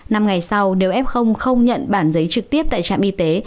năm ngày sau đều f không nhận bản giấy trực tiếp tại trạm y tế